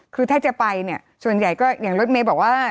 คือถ้าจะไปเนี่ยส่วนใหญ่ก็อย่างรถเมย์บอกว่า